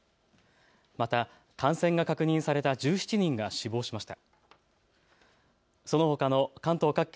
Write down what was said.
また感染が確認された１７人が死亡しました。